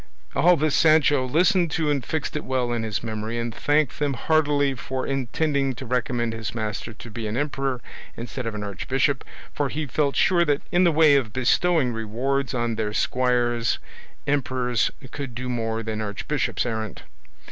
All this Sancho listened to and fixed it well in his memory, and thanked them heartily for intending to recommend his master to be an emperor instead of an archbishop, for he felt sure that in the way of bestowing rewards on their squires emperors could do more than archbishops errant.